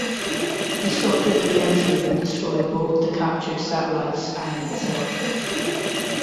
Destructive reentry will destroy both the captured satellites and itself.